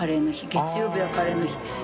「月曜日はカレーの日」